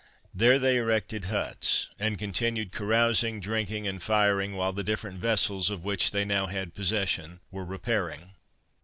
There they erected huts, and continued carousing, drinking, and firing, while the different vessels, of which they now had possession, were repairing.